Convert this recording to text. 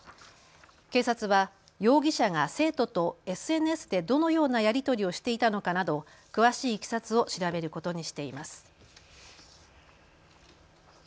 警察は容疑者が生徒とＳＮＳでどのようなやり取りをしていたのかなど詳しいいきさつを調べることにしています。